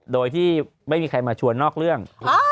โดยที่ไม่มีใครมาชวนนอกเรื่อง